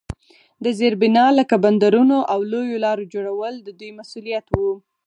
د زیربنا لکه بندرونو او لویو لارو جوړول د دوی مسوولیت وو.